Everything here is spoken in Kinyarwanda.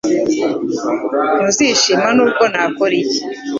Ntuzishima nubwo nakora iki